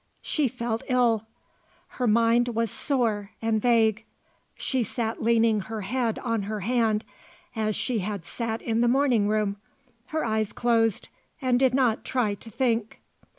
She felt ill. Her mind was sore and vague. She sat leaning her head on her hand, as she had sat in the morning room, her eyes closed, and did not try to think.